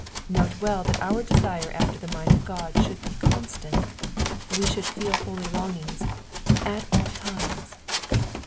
Note well that our desire after the mind of God should be constant ; we should feel holy longings oi aU times.